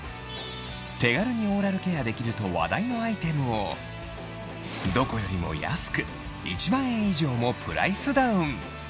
手軽にオーラルケアできると話題のアイテムをどこよりも安く、１万円以上もプライスダウン。